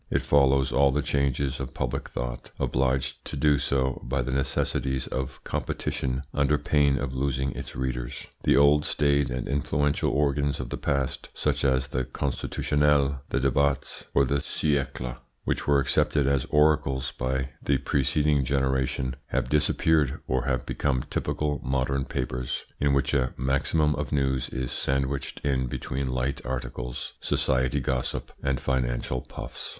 It follows all the changes of public thought, obliged to do so by the necessities of competition under pain of losing its readers. The old staid and influential organs of the past, such as the Constitutionnel, the Debats, or the Siecle, which were accepted as oracles by the preceding generation, have disappeared or have become typical modern papers, in which a maximum of news is sandwiched in between light articles, society gossip, and financial puffs.